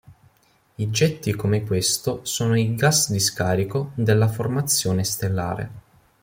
I getti come questo sono i "gas di scarico" della formazione stellare.